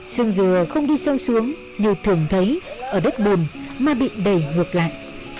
xương dừa không đi sâu xuống như thường thấy ở đất bùn mà bị đẩy ngược lại